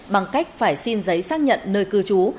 bằng cách phải xin giấy xác nhận nơi cư trú